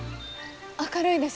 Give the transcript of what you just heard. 明るいです。